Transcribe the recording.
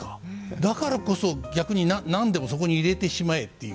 だからこそ逆に何でもそこに入れてしまえっていう。